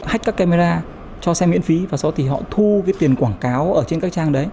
hách các camera cho xe miễn phí và sau thì họ thu cái tiền quảng cáo ở trên các trang đấy